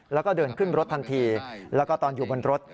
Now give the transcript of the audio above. แล้วก็เดินขึ้นรถทันทีแล้วก็ตอนอยู่บนรถ